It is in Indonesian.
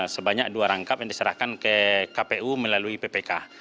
sebanyak dua rangkap yang diserahkan ke kpu melalui ppk